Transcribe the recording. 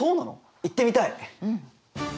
行ってみたい！